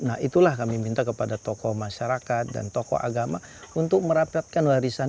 nah itulah kami minta kepada tokoh masyarakat dan tokoh agama untuk merapatkan warisan